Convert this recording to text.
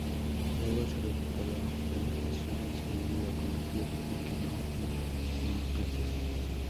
Luego se recuperó de las lesiones y volvió a competir, aunque no en monoplazas.